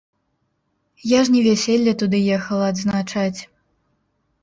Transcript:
Я ж не вяселле туды ехала адзначаць.